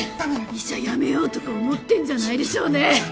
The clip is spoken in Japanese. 医者辞めようとか思ってんじゃないでしょうね！？